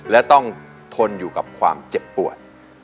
และต้องทนอยู่กับความเจ็บปวด